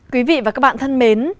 quý vị và các bạn thân mến